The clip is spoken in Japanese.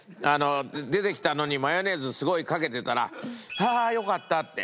出てきたのにマヨネーズすごいかけてたら「はあよかった」って。